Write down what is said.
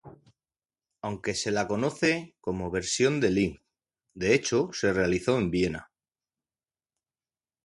Aunque se la conoce como "Versión de Linz", de hecho se realizó en Viena.